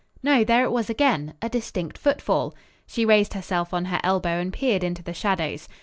No; there it was again. A distinct footfall. She raised herself on her elbow and peered into the shadows.